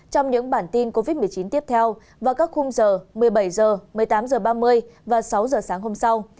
trong những bản tin covid một mươi chín tiếp theo vào các khung giờ một mươi bảy h một mươi tám h ba mươi và sáu h sáng hôm sau